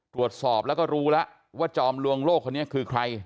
ตรวจสอบแล้วก็รู้แล้วว่าจอมลวงโลกคนนี้คือใคร